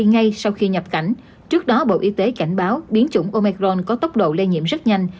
ngay sau khi nhập cảnh trước đó bộ y tế cảnh báo biến chủng omicron có tốc độ lây nhiễm rất nhanh